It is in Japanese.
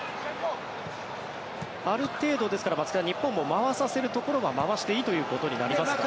ある程度、日本も回させるところは回していいということになりますか。